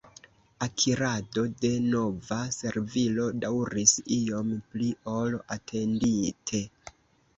Akirado de nova servilo daŭris iom pli ol atendite.